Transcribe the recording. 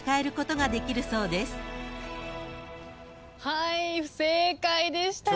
はい不正解でした。